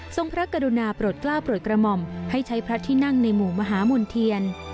พระกรุณาโปรดกล้าวโปรดกระหม่อมให้ใช้พระที่นั่งในหมู่มหามณ์เทียน